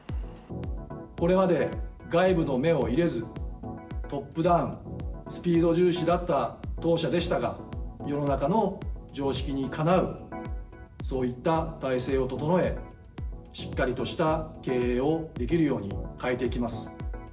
これまで、外部の目を入れず、トップダウン、スピード重視だった当社でしたが、世の中の常識にかなう、そういった体制を整え、しっかりとした経営をできるように変えていきます。